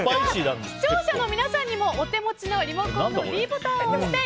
視聴者の皆さんにもお手持ちのリモコンのｄボタンを押して